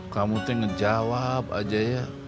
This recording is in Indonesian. kamu tuh ngejawab aja ya